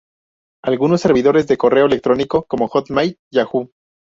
Algunos servidores de correo electrónico, como Hotmail, Yahoo!